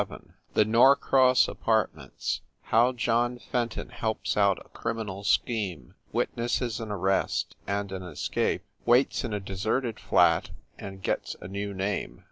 XI THE NORCROSS APARTMENTS HOW JOHN FENTON HELPS OUT A CRIMINAL SCHEME, WITNESSES AN ARREST AND AN ESCAPE, WAITS IN A DESERTED FLAT AND GETS A NEW NAME.